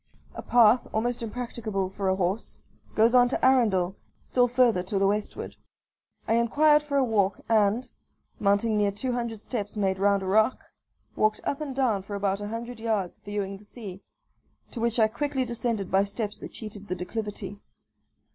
A path, almost impracticable for a horse, goes on to Arendall, still further to the westward. I inquired for a walk, and, mounting near two hundred steps made round a rock, walked up and down for about a hundred yards viewing the sea, to which I quickly descended by steps that cheated the declivity.